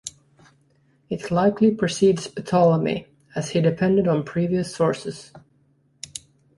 It likely precedes Ptolemy, as he depended on previous sources.